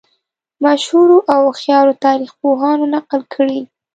مشهورو او هوښیارو تاریخ پوهانو نقل کړې.